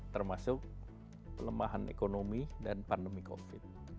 termasuk pelemahan ekonomi dan pandemi covid